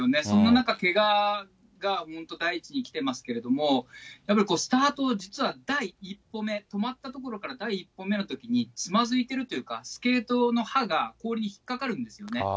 その中、けがが第一にきてますけれども、やっぱりスタート、実は第１歩目、止まったところから第１歩目のときにつまずいてるというか、スケートの刃が、氷に引っ掛かるんですよね。